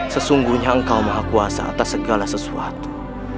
sesungguhnya engkau maha kuasa atas segala sesuatu